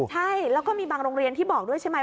ใช่แล้วก็มีบางโรงเรียนที่บอกด้วยใช่ไหม